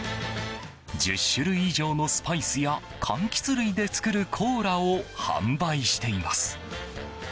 １０種類以上のスパイスや柑橘類で作るコーラを販売しています。